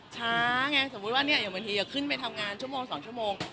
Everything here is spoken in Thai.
ช้าไงสมมุติว่าเหนี่ยอยากบินทีอยากขึ้นไปทำงานชั่วโมงสามชั่วโมง